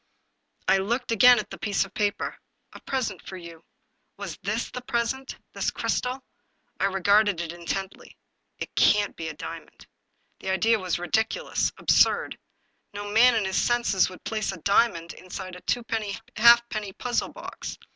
I looked again at the piece of paper. " A Present For You." Was this the present — this crystal? I regarded it intently. " It can't be a diamond." The idea was ridiculous, absurd. No man in his senses would place a diamond inside a twopenny halfpenny puzzle box.